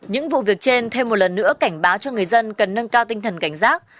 những vụ việc trên thêm một lần nữa cảnh báo cho người dân cần nâng cao tinh thần cảnh giác